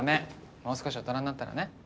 もう少し大人になったらね。